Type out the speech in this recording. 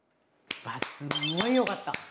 うわすごいよかった。